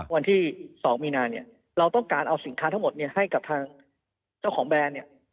วันที่๒มีนาเนี่ยเราต้องการเอาสินค้าทั้งหมดเนี่ยให้กับทางเจ้าของแบรนด์เนี่ย